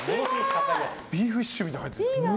ビーフシチューみたいなの入ってる。